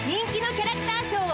キャラクターショーを